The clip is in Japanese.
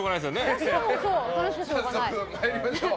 早速、参りましょう。